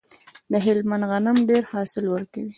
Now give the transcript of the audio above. د هلمند غنم ډیر حاصل ورکوي.